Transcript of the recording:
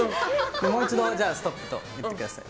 もう一度ストップと言ってください。